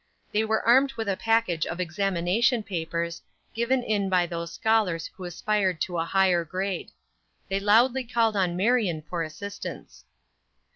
They were armed with a package of examination papers, given in by those scholars who aspired to a higher grade. They loudly called on Marion for assistance.